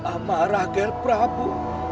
amarah ger prabu